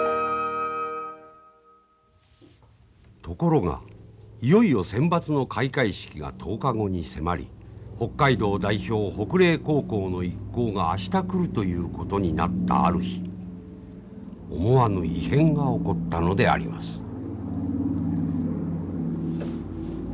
ところがいよいよセンバツの開会式が１０日後に迫り北海道代表北嶺高校の一行が明日来るということになったある日思わぬ異変が起こったのであります。